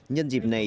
nhân dịp này